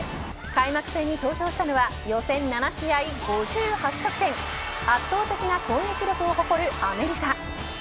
開幕戦に登場したのは残り７試合、５８得点圧倒的な攻撃力を誇るアメリカ。